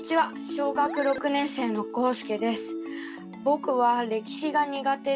小学６年生のこうすけです。